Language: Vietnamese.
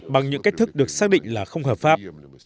bằng những cách thức được xác định là không hợp pháp